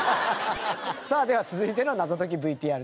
さあでは続いての謎解きＶＴＲです。